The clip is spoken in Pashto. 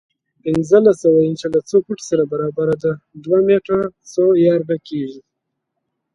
پنځلس سوه انچه له څو فوټو سره برابره ده؟ دوه میټر څو یارډه کېږي؟